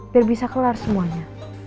biar bisa kelar semuanya